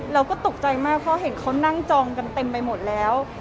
เราก็ตกใจมากเพราะเห็นเขานั่งจองกันเต็มไปหมดแล้ว